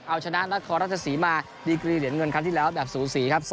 เอาชนะนครราชศรีมาดีกรีเหรียญเงินครั้งที่แล้วแบบสูสีครับ